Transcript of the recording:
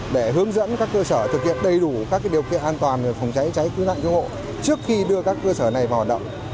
để hướng dẫn các cơ sở thực hiện đầy đủ các điều kiện an toàn về phòng cháy cháy cứu nạn cứu hộ trước khi đưa các cơ sở này vào động